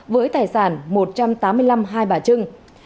với tài sản một trăm tám mươi năm hai bà trưng